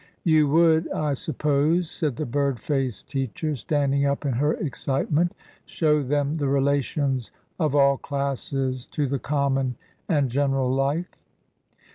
" You would, I suppose," said the bird faced teacher, standing up in her excitement, " show them the relations of all classes to the common and general life